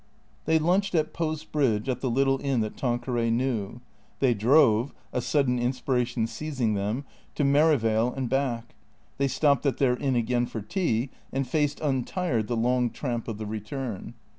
They lunched at Post Bridge, at the little inn that Tanqueray knew. They drove (a sudden inspiration seizing them) to Meri vale and back. They stopped at their inn again for tea, and faced untired the long tramp of the return.